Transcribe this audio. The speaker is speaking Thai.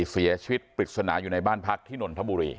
เสียชีวิตปริศนาอยู่ในบ้านพักที่นนทบุรี